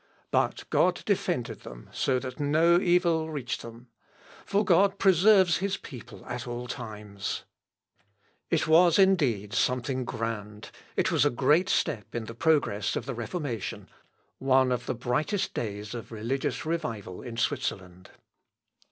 But God defended them so, that no evil reached them: for God preserves his people at all times." It was indeed something grand, it was a great step in the progress of the Reformation, one of the brightest days of religious revival in Switzerland.